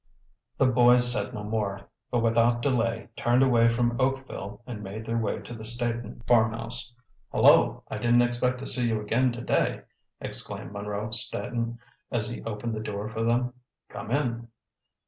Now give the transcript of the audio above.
The boys said no more, but without delay turned away from Oakville and made their way to the Staton farmhouse. "Hullo! I didn't expect to see you again to day!" exclaimed Munro Staton, as he opened the door for them. "Come in."